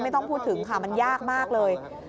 ไม่ต้องพูดถึงค่ะมันยากมากเลย